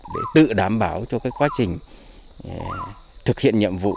để tự đảm bảo cho quá trình thực hiện nhiệm vụ